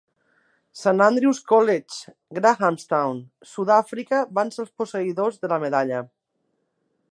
Saint Andrew's College, Grahamstown, Sud-àfrica van ser els posseïdors de la medalla.